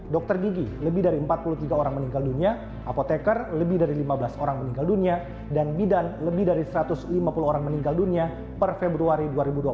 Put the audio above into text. dokter gigi lebih dari empat puluh tiga orang meninggal dunia apotekar lebih dari lima belas orang meninggal dunia dan bidan lebih dari satu ratus lima puluh orang meninggal dunia per februari dua ribu dua puluh satu